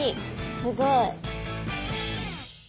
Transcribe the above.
すごい。